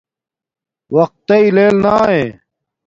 وقت تݵ لیل ناݵ